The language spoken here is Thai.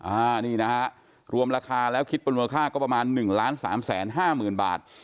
อานี่นะฮะรวมราคาแล้วคิดพันธุ์หัวค่าก็ประมาณ๑๓๕๐๐๐๐๐๐บาท